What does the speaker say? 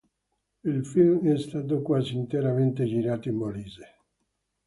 Il film è stato quasi interamente girato in Molise.